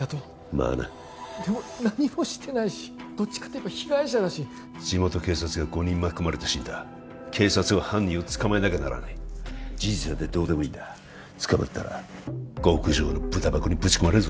まあなでも何もしてないしどっちかっていえば被害者だし地元警察が５人巻き込まれて死んだ警察は犯人を捕まえなきゃならない事実なんてどうでもいいんだ捕まったら極上のブタ箱にぶち込まれるぞ